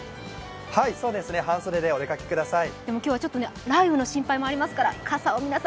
半袖でお出かけください。